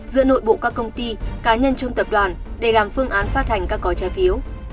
giữa nội bộ các công ty cá nhân trong tập đoàn để làm phương án phát hành các gói trái phiếu